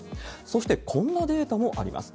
そして、こんなデータもあります。